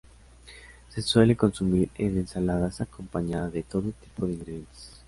Se suele consumir en ensaladas acompañada de todo tipo de ingredientes.